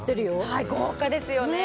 はい豪華ですよね・